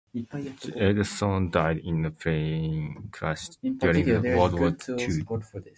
The eldest son died in a plane crash during World War Two.